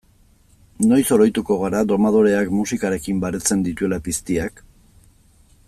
Noiz oroituko gara domadoreak musikarekin baretzen dituela piztiak?